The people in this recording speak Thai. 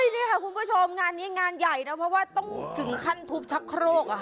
นี่ค่ะคุณผู้ชมงานนี้งานใหญ่นะเพราะว่าต้องถึงขั้นทุบชักโครก